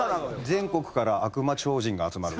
全国から悪魔超人が集まる。